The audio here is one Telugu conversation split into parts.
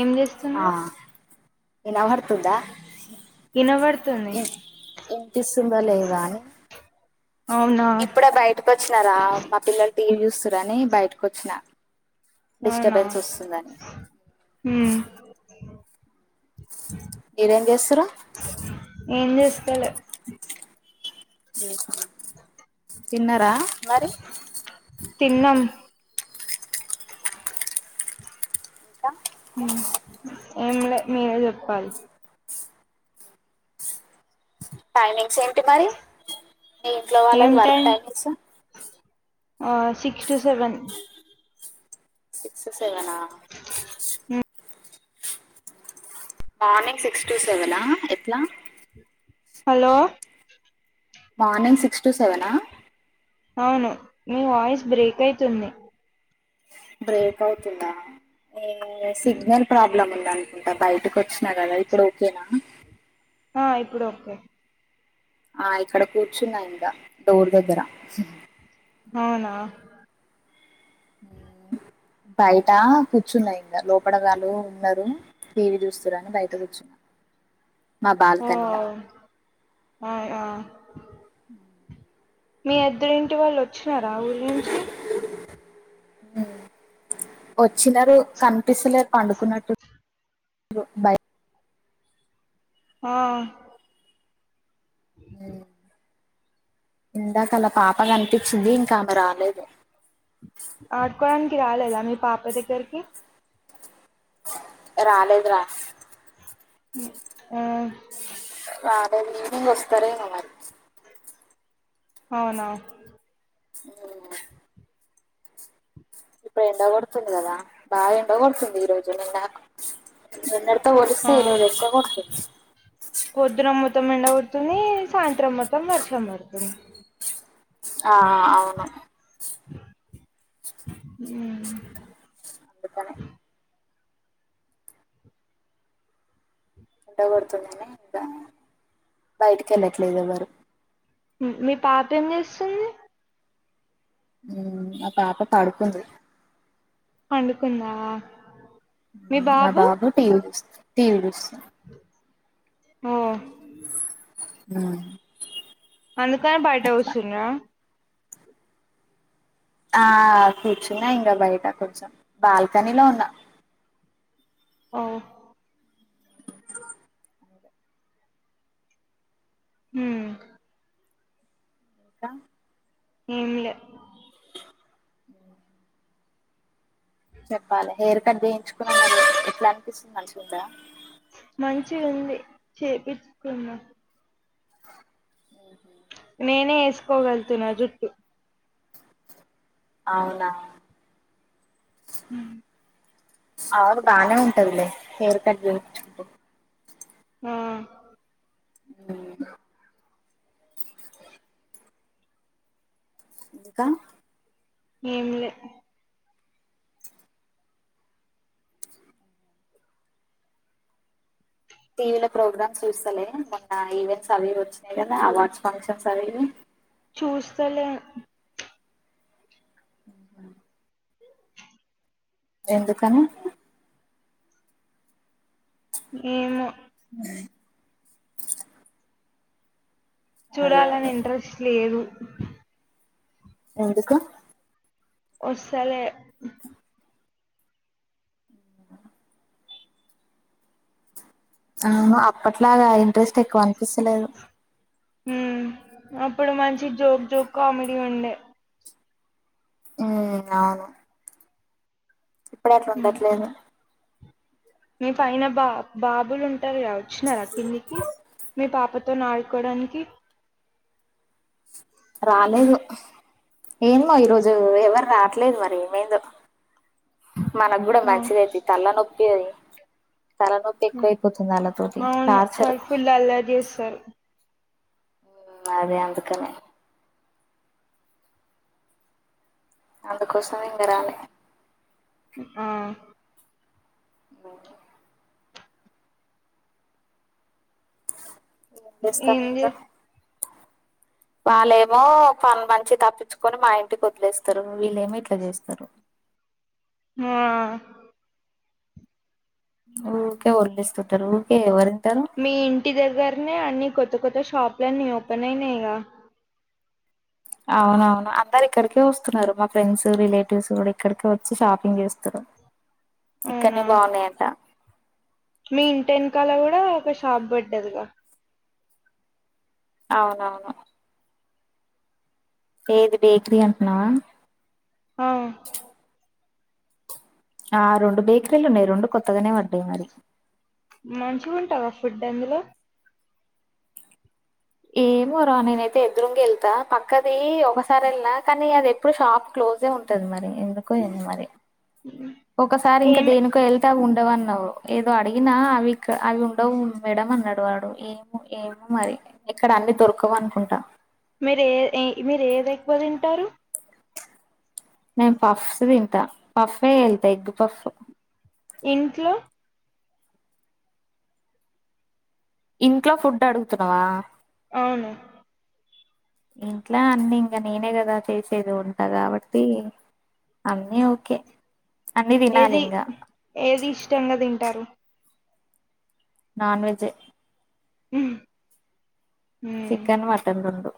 ఏం చేస్తు ఆ ఇనవర్తుందా వినబడుతుంది ఇ ఇన్పిస్తుందా లేదా అని అవునా ఇప్పుడే బయటకొచ్చినా రా మా పిల్లలు టీ వీ చూస్తుర్రని బయటకొచ్చినా డిస్టబెన్స్ వస్తుందని ఊ మీరేం చేస్తురు ఏం చేస్తాలె [inaudible] తిన్నారా మరి తిన్నం కా ఏం లే మీరే చెప్పాలి టైమింగ్స్ ఏంటి మరి మీ ఇంట్లో ఏం వాళ్ళది వర్క్ టైం టైమింగ్సు ఆ సిక్స్ టు సెవెన్ సిక్స్ సెవెనా ఉమ్ మార్నింగ్ సిక్స్ టూ సెవెనా ఎట్లా హలో మార్నింగ్ సిక్స్ టు సెవెనా అవును మీ వాయిస్ బ్రేక్ అయితుంది బ్రేక్ అవుతుందా [inaudible] సిగ్నల్ ప్రాబ్లం ఉంది అనుకుంటా బయటకొచ్చినా కదా ఇప్పుడు ఓకే నా ఆ ఇప్పుడు ఓకే ఆ ఇక్కడ కూర్చున్నా ఇంక డోర్ దగ్గర అవునా బయట కూర్చున్నా ఇంక లోపడ గాల్లు ఉన్నరు టీ వీ చూస్తుర్రని బయట కూర్చున్నా మా బాల్కనీ ల అయ్ ఆ అ మీ ఎద్దురింటి వాళ్ళు వచ్చినారా ఊరి నుంచి ఊ వచ్చినరు కనిపిస్తలేరు పండుకున్నట్టు బ్రో బై ఆ ఊ ఇందాక ఆళ్ళ పాప గన్పిచ్చింది ఇంక ఆమె రాలేదు ఆడుకోవడానికి రాలేదా మీ పాప దగ్గరికి రాలేదు రా ఊ రాలేదు ఈవింగ్ వస్తారేమో మరి అవునా [inaudible] ఇప్పుడు ఎండ కొడుతుంది కదా బా ఎండ కొడుతుంది ఈ రోజు నిన్నాకు నిన్నటితో పోలిస్తే ఆ ఈరోజు ఎక్కువ కొడుతుంది పొద్దున మొత్తం ఎండ గొడుతుంది సాయంత్రం మొత్తం వర్షం పడుతుం ఆ ఆ అవును ఊ అందుకనే ఎండగొడుతుందనే ఇంక బయటికెళ్ళట్లేదు ఎవరూ ఊ మీ పాప ఏం చేస్తుంది ఊ మా పాప పడుకుంది పండుకుందా మా బాబు టీ వీ టీ వీ చూస్ ఓ ఊ అందుకనే బయట కూసుర్రా ఆ కూర్చున్నా ఇంక బయట కొంచెం బాల్కనీ లో ఉన్నా ఔ మ్మ్ [inaudible] ఏం లే చెప్పాలి హేర్ కట్ చేయించుకున్నా [inaudible] మరి ఎట్లా అన్పిస్తుంది మంచిగుందా మంచిగుంది చేపిచ్చుకున్నా ఆహ నేనే ఏసుకోగలుతున్నా జుట్టు అవునా ఉమ్ అవును బానే ఉంటదిలే హేర్ కట్ చేయిచ్చు ఆ [inaudible] ఇంకా ఏం లే టీ వీ లో ప్రోగ్రామ్స్ చూస్తలే మొన్న ఈవెంట్స్ అవి ఇవి వచ్చినాయి కదా అవార్డ్స్ ఫంక్షన్స్ అవి ఇవి చూస్తలేను ఎందుకని ఏమో [inaudible] అదే చూడాలని అదే ఇంట్రెస్ట్ లేదు ఎందుకు వస్సలే అహా అప్పట్లాగా ఇంట్రెస్ట్ ఎక్కువ అనిపిస్సలేదు హ్మ్ అప్పుడు మంచి జోక్ జోక్ కామెడీ ఉండే ఉమ్ అవును ఇప్పుడు అట్లా ఉండట్లేను మీ పైన బా బాబులు ఉంటారు కద వచ్చినారా కిందికి మీ పాప తోన ఆడుకోవడానికి రాలేదు ఏమో ఈరోజు ఎవ్వరు రాట్లేదు మరి ఏమైందో మనక్కూడా ఆ మంచిదేతీ తల్లనొప్పి తలనొప్ పి ఎక్కువైపోతుంది వాళ్ళతోటి అవును టార్చర్ వాళ్ళు ఫుల్ అల్లరి జేస్సార్ ఉమ్, అదే అందుకనే అందుకోసమే ఇంగ రాలే ఆ అహా ఏం చేస్తాం ఏంది ఇంకా వాళ్ళేమో పని మంచిగ తప్పించుకొని మా ఇంటికి వదిలేస్తారు వీళ్ళేమో ఇట్లా జేస్తరు ఆ ఊకే వదిలేస్తుంటారు ఊరికే ఎవరింటారు మీ ఇంటి దగ్గరనే అన్ని కొత్త కొత్త షాపులన్నీ ఓపెన్ అయినాయిగా అవును అవును అందరు ఇక్కడికే వస్తున్నారు మా ఫ్రెండ్స్ రిలేటివ్స్ కూడా ఇక్కడికే వచ్చి షాపింగ్ చేస్తురు అవునా ఇక్కన్నే బాగున్నాయంట మీ ఇంటి వెనకాల కూడా ఒక షాప్ పడ్డదిగా అవును అవును ఏది బేకరీ అంటున్నావా ఆ ఆ రెండు బేకరీలు ఉన్నాయి రెండు కొత్తగానే పడ్డాయి మరి మంచిగ ఉంటావా ఫుడ్డ్ అందులో ఏమో రా నేనైతే ఎదురుంగ వెళ్తా పక్కది ఒకసారి వెళ్లినా కానీ అది ఎప్పుడు షాప్ క్లోజే ఉంటది మరి ఎందుకో ఎందో మరి మ్ హ్మ్ ఒకసారి ఇంకా దేనికో వెళ్ తేవ్ అవి ఉండవు అన్నావ్ ఏదో అడిగినా అవి ఇక అవి ఉండవు మేడం అన్నాడు వాడు ఏ ఏమో మరి ఇక్కడ అన్ని దొరకవు అనుకుంటా మీరు ఏ ఇ మీరు ఏది ఎక్కువ తింటారు నేను ఫఫ్స్ తింతా పఫే వెళ్త ఎగ్ ఫఫ్ ఇంట్లో ఇంట్లో ఫుడ్డు అడుగుతున్నవా అవును ఇంట్లా అన్నీ ఇంకా నేనే కదా చేసేది వంట కాబట్టి అన్నీ ఓకే అన్ని తినాలి ఏది ఇంకా హ్మ్ ఏది ఇష్టంగా తింటారు నాన్ వెజ్ ఉ చికన్ మటన్ రెండు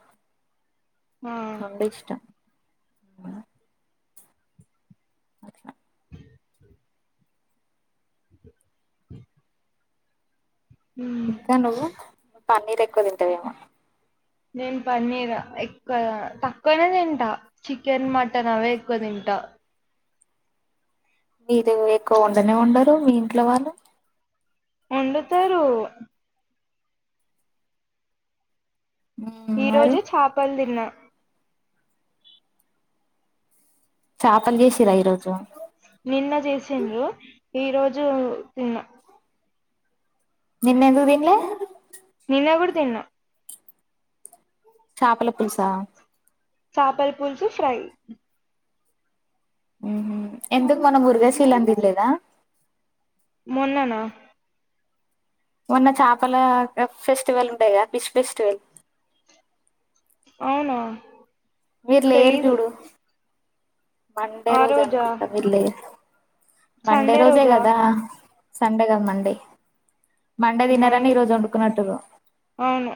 ఆ రెండు ఇష్టం అ హ ఇకా నువ్వు పన్నీర్ ఎక్కువ తింటవేమో నేను పన్నీర్ ఎక్క్క తక్కువనే తింటా చికెన్ మటన్ అవే ఎక్కువ తింటా నిసు ఎక్కువ వండానే వన్డరు మీ ఇంట్లో వాళ్ళు వండుతారు మ్మ్ ఈ మరి రోజు చేపలు తిన్నా చేపలు చేసారా ఈరోజు నిన్న చేసండ్రు ఈ రోజు తిన్నా నిన్నెందు తీన్ లే నిన్న కూడా తిన్నా చేపల పులుసా చపల పులుసు ఫ్రై ఉ ఎందుకు మొన్న ముృగాశీల అని తినలేదా మొన్ననా మొన్న చేపల ఫెస్టివల్ ఉండే గా ఫిష్ ఫెస్టివల్ అవునా మీరు లేరు తెలీదు చూడు మండే ఆ రోజు రోజా అనుకుంటా మీరు లేరు మండే సండే రోజే రోజా కదా సండేగాదు మండే తినరని మండే ఈ రోజు వండుకున్నట్టురు అవును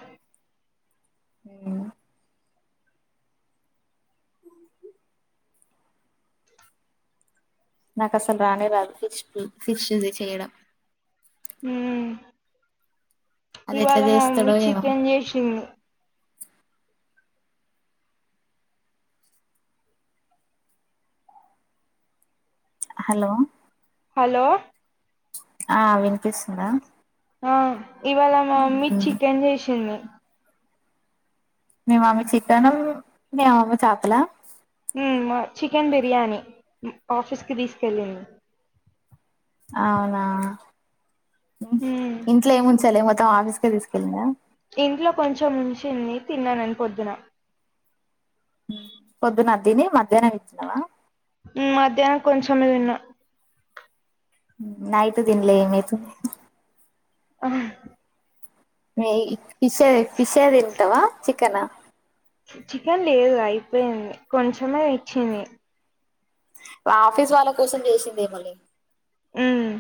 నాకు అసలు రానే రాదు ఫిష్ ఫిష్ ది చేయడం ఉమ్ అది ఇవాళ ఎట్లా మా మమ్మీ చేస్తాడో ఏమో చికెన్ చేసింది హలో హలో ఆ వినిపిస్తుందా ఆ ఇవాళ మా మమ్మీ చికెన్ చేసింది మీ మమ్మీ చికెన్ మీ అవ్వ చేపల ఉమ్ మా చికెన్ బిర్యానీ ఆఫీస్ కి తీసుకెళ్ళింది అవునా ఉమ్ ఇంట్లో ఏం ఉంచాలే మొత్తం ఆఫీస్కే తీసుకెళ్ళందా ఇంట్లో కొంచెం వచ్చింది తిన్నాను నేను పొద్దున పొద్దునది తిని మధ్యాహ్నం ఇదితిన్నావా మధ్యానం కొంచమే తిన్నా నయిట్ తిన్లే ఏమైతుంది హా మ ఫిష్ ఫిష్ ఏ తింటావా చికెనా చికెన్ లేదు అయిపోయింది కొంచమే తేచ్చింది ఆఫీస్ వాళ్ళ కోసం చేసిందేమోలే ఉమ్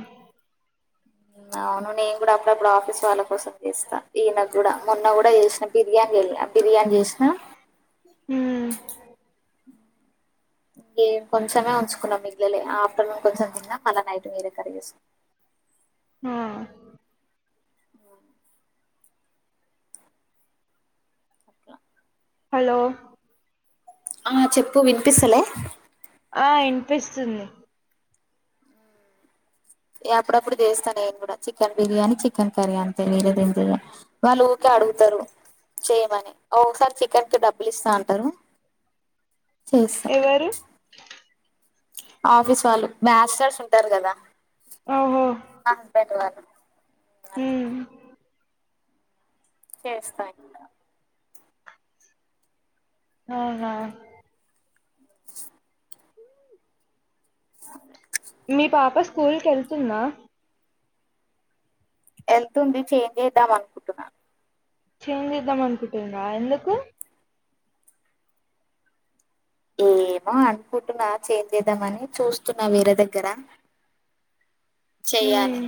అవును నేను కూడా అప్పుడప్పుడు ఆఫీస్ వాళ్ళ కోసం చేస్తా ఈయనక్ కూడా మొన్న కూడా చేసిన బిర్యానీ చెయ్యలా బిర్యానీ చేసిన హ నేను కొంచెమే ఉంచుకున్నాం మిగిలలే ఆఫ్టర్నూన్ కొంచం తిన్నా మళ్ళా నైట్ వేరే కర్రీ చేసుకున్న ఆ హలో ఆ చెప్పు వినిపిస్తలే ఆ వినిపిస్తుంది అప్పుడప్పుడు చేస్తా నేను కూడా చికెన్ బిర్యానీ చికెన్ కర్రీ అంతే వేరేదేమ్ చేయ వాళ్ళు ఊకే అడుగుతారు చేయమని ఒక్కోసారి చికెన్కి డబ్బులు ఇస్తా అంటారు చేస్తా ఎవరు ఆఫీస్ వాళ్ళు బ్యాచిలర్స్ ఉంటారు కదా ఓహో మా హస్బెండ్ వాళ్ళు అట్లా హామ్ చేస్తా ఇంకా అవునా మీ పాప స్కూల్కి వెళ్తుంద వెళ్తుంది చేంజ్ చేద్దాం అనుకుంటున్నాను చేంజ్ చేద్దాం అనుకుంటునారా ఎందుకు ఏమో అనుకుంటున్నా చేంజ్ చేద్దామని చూస్తున్నా వేరే దగ్గర చెయాలి ఉమ్